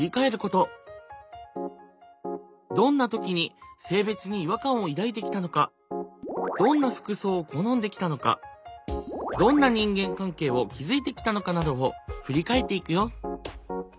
どんな時に性別に違和感を抱いてきたのかどんな服装を好んできたのかどんな人間関係を築いてきたのかなどを振り返っていくよ。